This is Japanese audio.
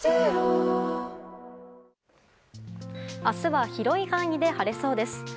明日は広い範囲で晴れそうです。